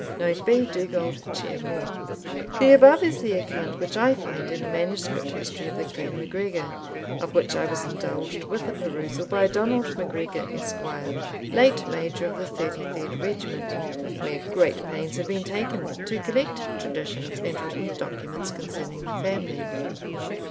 Note B. Dugald Ciar Mhor. The above is the account which I find in a manuscript history of the clan MacGregor, of which I was indulged with a perusal by Donald MacGregor, Esq., late Major of the 33d regiment, where great pains have been taken to collect traditions and written documents concerning the family.